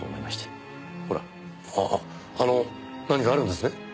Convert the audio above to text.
あの何かあるんですね？